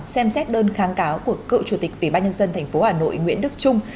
xem xét đơn kháng cáo của cựu chủ tịch ủy ban nhân dân tp hà nội nguyễn đức trung